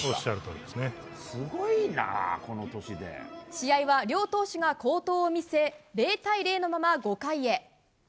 試合は両投手が好投を見せ０対０のまま５回へ。